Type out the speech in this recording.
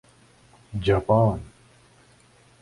Japan